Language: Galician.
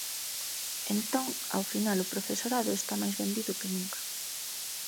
Entón ao final o profesorado está máis vendido que nunca.